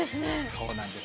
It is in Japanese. そうなんです。